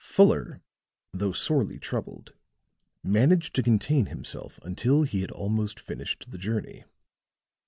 Fuller, though sorely troubled, managed to contain himself until they had almost finished the journey.